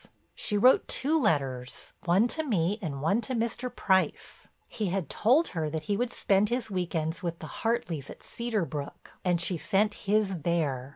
"She wrote two letters, one to me and one to Mr. Price. He had told her that he would spend his week ends with the Hartleys at Cedar Brook and she sent his there.